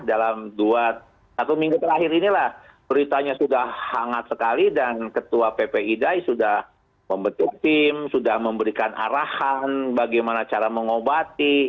dalam dua satu minggu terakhir inilah beritanya sudah hangat sekali dan ketua ppidai sudah membentuk tim sudah memberikan arahan bagaimana cara mengobati